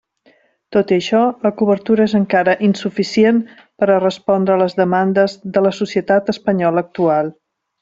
Tot i això la cobertura és encara insuficient per a respondre a les demandes de la societat espanyola actual.